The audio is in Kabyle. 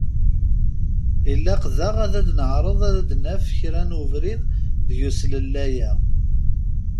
Ilaq daɣ ad neεreḍ ad d-naf kra ubrid deg uslellay-a.